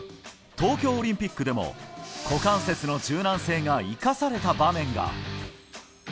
東京オリンピックでも股関節の柔軟性が生かされた場面が。